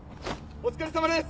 お疲れさまです。